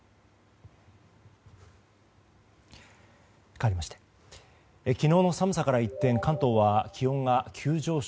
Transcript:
かわりまして昨日の寒さから一転、関東は気温が急上昇。